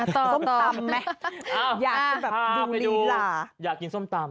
ส้มตำไหมอยากดูฬีล่า